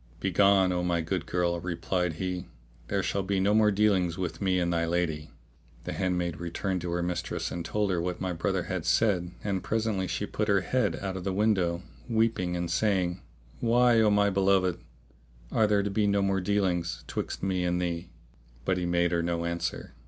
"Begone, O my good girl," replied he, "there shall be no more dealings between me and thy lady." The handmaid returned to her mistress and told her what my brother had said and presently she put her head out of the window, weeping and saying, "Why, O my beloved, are there to be no more dealings 'twixt me and thee?" But he made her no answer.